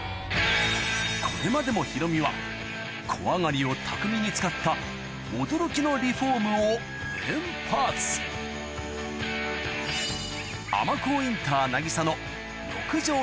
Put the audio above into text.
これまでもヒロミは小上がりを巧みに使った驚きのリフォームを連発よし。